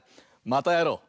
またやろう！